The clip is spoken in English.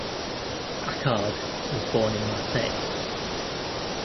Achard was born in Marseille.